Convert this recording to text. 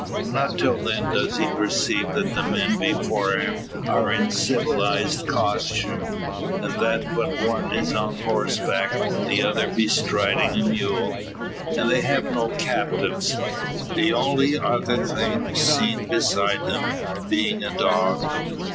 Not till then does he perceive that the men before him are in civilised costume, and that but one is on horseback, the other bestriding a mule. And they have no captives, the only other thing seen beside them being a dog!